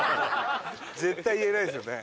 言えないですよね。